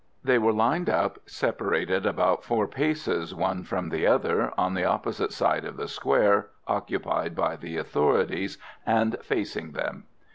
They were lined up, separated about four paces one from the other, on the opposite side of the square occupied by the authorities, and facing them.